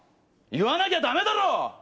言わなきゃダメだろ！